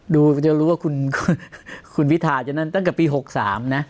ดูจะรู้ว่าคุณพิทาจะนั่นตั้งแต่ปี๖๓นะ